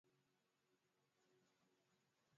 tunapata faida gani za kiafya kutokana na viazi lishe